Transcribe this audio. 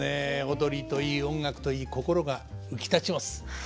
踊りといい音楽といい心が浮き立ちます。